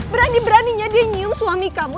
berani beraninya dia nyium suami kamu